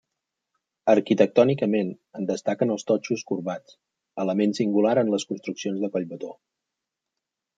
Arquitectònicament, en destaquen els totxos corbats, element singular en les construccions de Collbató.